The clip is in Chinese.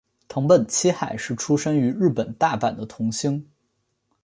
藤本七海是出身于日本大阪的童星。